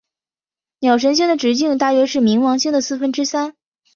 鸟神星的直径大约是冥王星的四分之三。